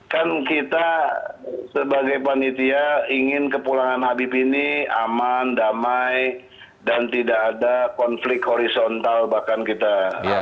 kan kita sebagai panitia ingin kepulangan habib ini aman damai dan tidak ada konflik horizontal bahkan kita harapkan